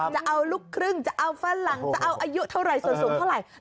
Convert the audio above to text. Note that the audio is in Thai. จะเอาลูกครึ่งจะเอาฝรั่งจะเอาอายุเท่าไหร่ส่วนสูงเท่าไหร่